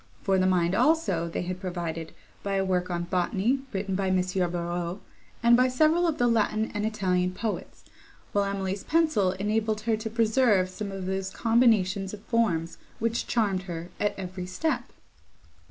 For the mind, also, they had provided, by a work on botany, written by M. Barreaux, and by several of the Latin and Italian poets; while Emily's pencil enabled her to preserve some of those combinations of forms, which charmed her at every step.